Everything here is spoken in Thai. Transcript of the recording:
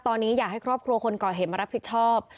ตอนนี้อยากให้ครอบครัวคนก่อเหตุมารับผิดชอบ